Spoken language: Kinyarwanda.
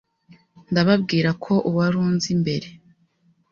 ndababwira ko uwari unzi mbere